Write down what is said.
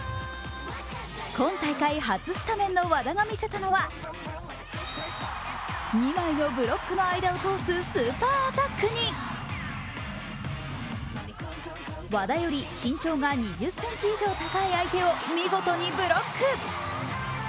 今大会初スタメンの和田が見せたのは、二枚のブロックの間を通すスーパーアタックに和田より身長が２０ｃｍ以上高い相手を見事にブロック。